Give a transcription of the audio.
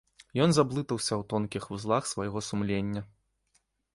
Ён заблытаўся ў тонкіх вузлах свайго сумлення.